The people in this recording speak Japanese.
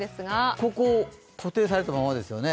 ここ、固定されたままですよね。